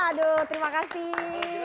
aduh terima kasih